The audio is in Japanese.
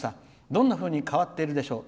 どんなふうに変わってるんでしょう。